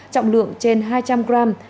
trọng lượng trên hai trăm linh gram